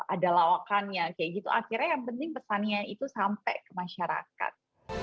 ada lawakannya kayak gitu akhirnya yang penting pesannya itu sampai ke masyarakat